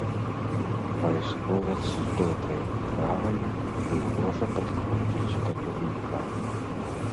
Вайсковец з добрай выправай прыгожа падыходзіць да турніка.